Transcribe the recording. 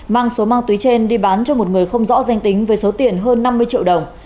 mang số ma túy trên đi bán cho một người không rõ danh tính với số tiền hơn năm mươi triệu đồng